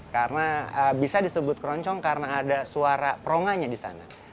karena bisa disebut keroncong karena ada suara peronganya di sana